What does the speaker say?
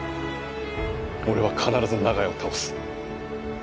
俺は必ず長屋を倒す。